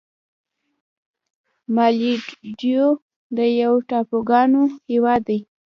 مالدیو یو د ټاپوګانو هېواد دی.